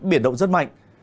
biển động rất mạnh